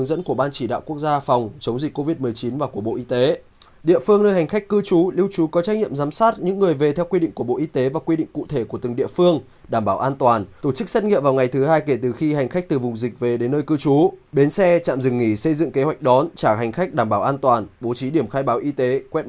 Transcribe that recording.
nếu đi từ địa phương nơi hành khách cư trú lưu trú có trách nhiệm giám sát những người về theo quy định của bộ y tế và quy định cụ thể của từng địa phương đảm bảo an toàn tổ chức xét nghiệm vào ngày thứ hai kể từ khi hành khách từ vùng dịch về đến nơi cư trú bến xe chạm dừng nghỉ xây dựng kế hoạch đón trả hành khách đảm bảo an toàn bố trí điểm khai báo y tế quét mã qr phòng cách ly tạm thời